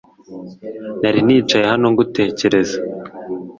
Nari nicaye hano ngutekereza